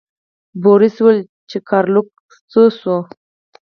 بوریس وویل چې ګارلوک څه شو.